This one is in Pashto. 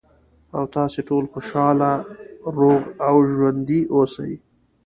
، او تاسې ټول خوشاله، روغ او ژوندي اوسئ.